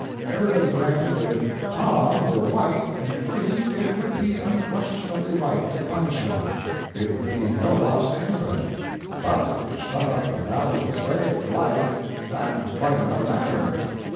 Everybody granted that if "Tom" were white and free it would be unquestionably right to punish him it would be no loss to anybody; but to shut up a valuable slave for life that was quite another matter.